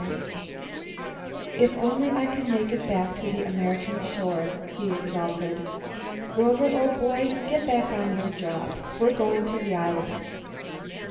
"If only I can make it back to the American shore," he exulted. "Rover, old boy, get back on your job. We're going to the islands."